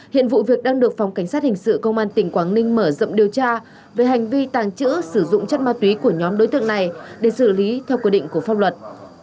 hiện vụ việc đang được phòng cảnh sát hình sự công an tỉnh quảng ninh mở rộng điều tra về hành vi tàng trữ sử dụng chất ma túy của nhóm đối tượng này để xử lý theo quy định của pháp luật